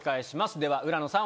では浦野さん